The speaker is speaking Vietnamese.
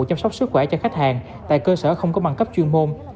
chăm sóc sức khỏe cho khách hàng tại cơ sở không có bằng cấp chuyên môn